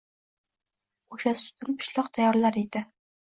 Oʻsha sutdan pishloq tayyorlar edi.